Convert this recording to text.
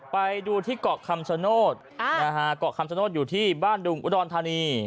ไปดูที่เกาะคำชโนธเกาะคำชโนธอยู่ที่บ้านดุงอุดรธานี